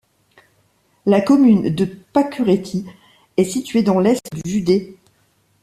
La commune de Păcureți est située dans l'est du județ.